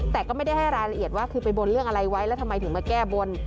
แต่ก็ไม่ได้ให้รายละเอียดว่าคือไปบนเรื่องอะไรไว้แล้วทำไมถึงมาแก้บน